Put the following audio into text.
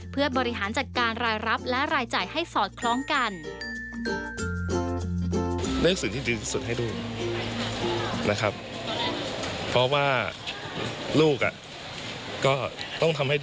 เพื่อบริหารจัดการรายรับและรายจ่ายให้สอดคล้องกัน